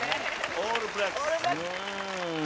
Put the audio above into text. オールブラックス。